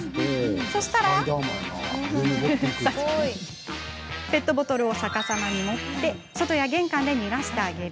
そしたら逆さまに持って外や玄関で逃がしてあげる。